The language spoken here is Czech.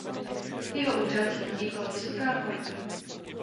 Jeho úřad se nazýval Vysoká Porta.